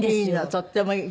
とってもいい。